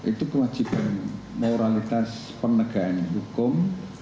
itu kewajiban moralitas penegakan hukum